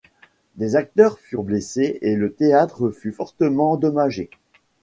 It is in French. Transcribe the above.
Des acteurs furent blessés et le théâtre fut fortement endommagé.